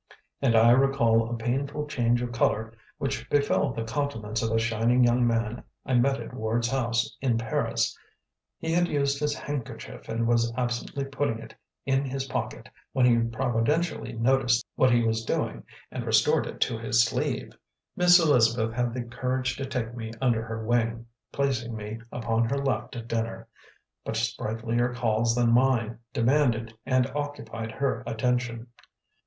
And I recall a painful change of colour which befell the countenance of a shining young man I met at Ward's house in Paris: he had used his handkerchief and was absently putting it in his pocket when he providentially noticed what he was doing and restored it to his sleeve. Miss Elizabeth had the courage to take me under her wing, placing me upon her left at dinner; but sprightlier calls than mine demanded and occupied her attention.